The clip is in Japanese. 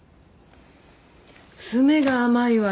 詰めが甘いわね。